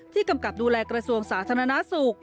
กำกับดูแลกระทรวงสาธารณสุข